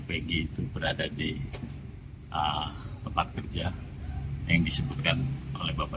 pg itu berada di tempat kerja yang disebutkan oleh bapak